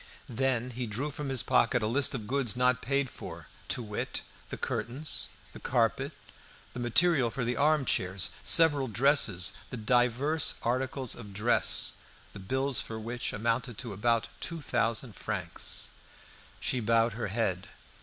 Then he drew from his pocket a list of goods not paid for; to wit, the curtains, the carpet, the material for the armchairs, several dresses, and divers articles of dress, the bills for which amounted to about two thousand francs. She bowed her head.